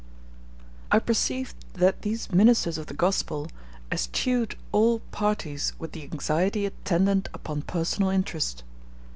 I perceived that these ministers of the gospel eschewed all parties with the anxiety attendant upon personal interest.